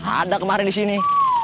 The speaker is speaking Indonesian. ada kemarin disini